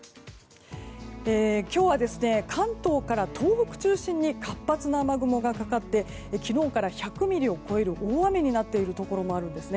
今日は関東から東北中心に活発な雨雲がかかって昨日から１００ミリを超える大雨になっているところもあります。